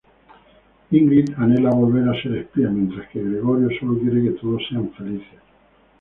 Ingrid anhela volver a ser espía, mientras Gregorio solo quiere que todos sean felices.